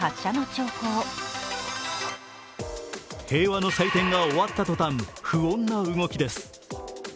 平和の祭典が終わった途端、不穏な動きです。